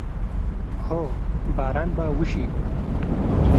هو، باران به وشي